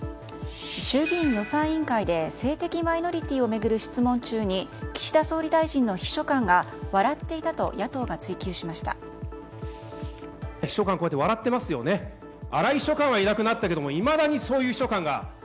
衆議院予算委員会で性的マイノリティーを巡る質問中に、岸田総理大臣の秘書官が笑っていたと野党が追及しました。